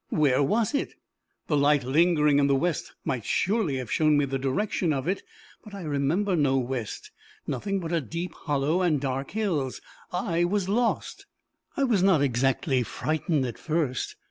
where was it? The light lingering in the west might surely have shown me the direction of it, but I remember no west nothing but a deep hollow and dark hills. I was lost! I was not exactly frightened at first.